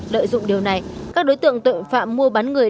lợi dụng điều này các đối tượng tội phạm mua bán người